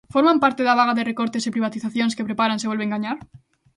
¿Forman parte da vaga de recortes e privatizacións que preparan se volven gañar?